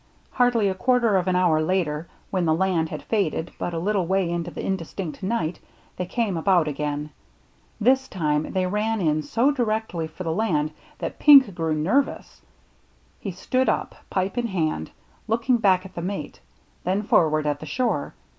Hardly a quarter of an hour later, when the land had faded but a little way into the indistinct night, they came about again. This time they ran in so directly for the land that Pink grew nervous. He stood up, pipe in hand, looking back at the mate, then forward at the shore.